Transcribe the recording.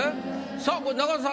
さあこれ中田さん